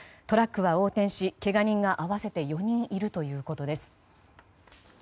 トラックは横転し、けが人が合わせて４人いるということです。